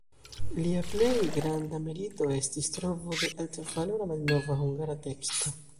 Lia plej granda merito estis trovo de altvalora malnova hungara teksto.